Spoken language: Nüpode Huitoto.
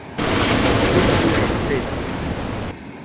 Llɨkɨe selle